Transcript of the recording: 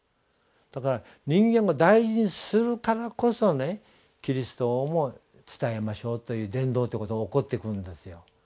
だから人間を大事にするからこそキリストをも伝えましょうという伝道ということが起こってくるんですよ。